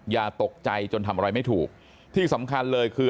อย่าตกใจจนทำอะไรไม่ถูกที่สำคัญเลยคือ